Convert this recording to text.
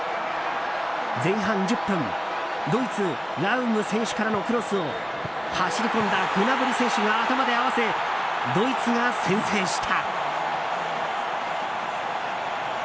前半１０分、ドイツラウム選手からのクロスを走り込んだグナブリ選手が頭で合わせ、ドイツが先制した。